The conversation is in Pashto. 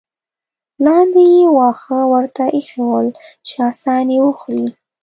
لاندې یې واښه ورته اېښي ول چې اسان یې وخوري.